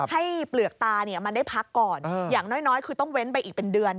เปลือกตามันได้พักก่อนอย่างน้อยคือต้องเว้นไปอีกเป็นเดือน